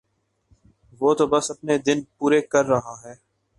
وہ تو بس اپنے دن پورے کر رہا ہے